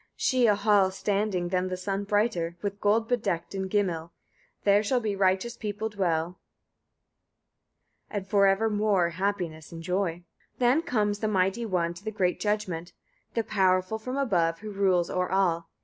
62. She a hall standing than the sun brighter, with gold bedecked, in Gimill: there shall be righteous people dwell, and for evermore happiness enjoy. 64. Then comes the mighty one to the great judgment, the powerful from above, who rules o'er all.